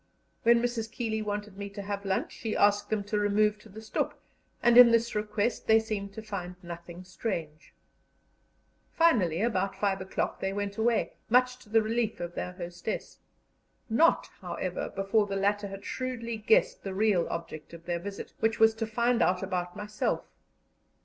When Mrs. Keeley wanted me to have lunch, she asked them to remove to the stoep, and in this request they seemed to find nothing strange. Finally, about five o'clock they went away, much to the relief of their hostess; not, however, before the latter had shrewdly guessed the real object of their visit, which was to find out about myself.